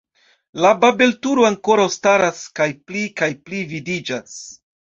La babelturo ankoraŭ staras kaj pli kaj pli vidiĝas.